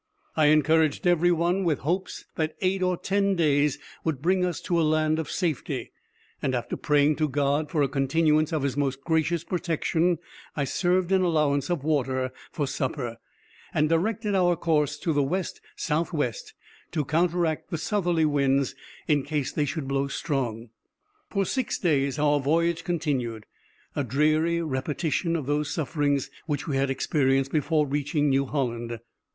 I encouraged every one with hopes that eight or ten days would bring us to a land of safety; and after praying to God for a continuance of his most gracious protection, I served an allowance of water for supper, and directed our course to the west south west, to counteract the southerly winds in case they should blow strong. For six days our voyage continued; a dreary repetition of those sufferings which we had experienced before reaching New Holland.